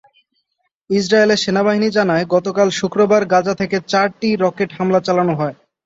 ইসরায়েলের সেনাবাহিনী জানায়, গতকাল শুক্রবার গাজা থেকে চারটি রকেট হামলা চালানো হয়।